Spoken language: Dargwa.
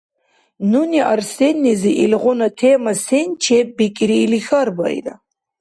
Нуни Арсеннизи илгъуна тема сен чеббикӀири или хьарбаира.